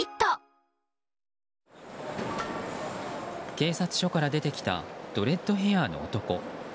警察署から出てきたドレッドヘアの男。